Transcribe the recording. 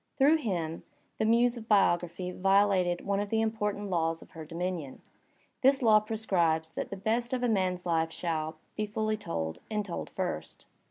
Through him, the Muse of Biography violated one of the important laws of her dominion. This law prescribes that the best of a man's life shall be told f ully, and told first.